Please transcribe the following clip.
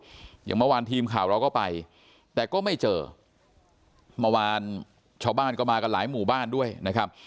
อย่างเมื่อวานทีมข่าวเราก็ไปแต่ก็ไม่เจอเมื่อวานชาวบ้านก็มากันหลายหมู่บ้านด้วยนะครับ